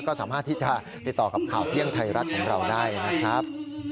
ก็สามารถที่จะติดต่อกับข่าวเที่ยงไทยรัฐของเราได้นะครับ